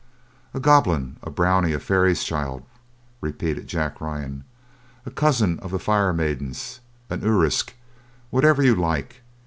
"A goblin, a brownie, a fairy's child," repeated Jack Ryan, "a cousin of the Fire Maidens, an Urisk, whatever you like!